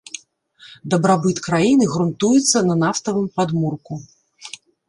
Дабрабыт краіны грунтуецца на нафтавым падмурку.